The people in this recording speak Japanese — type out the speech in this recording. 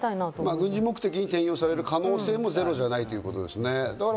軍事目的に転用される可能性もゼロじゃないということですね。